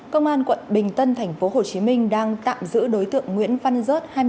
công an quận bình tân tp hcm đang tạm giữ đối tượng nguyễn văn rớt